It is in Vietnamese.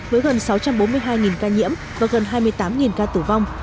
với gần sáu trăm bốn mươi hai ca nhiễm và gần hai mươi tám ca tử vong